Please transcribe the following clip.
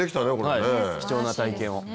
はい貴重な体験を。